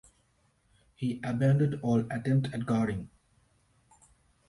He abandoned all attempt at guarding.